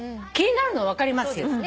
気になるのは分かりますよ。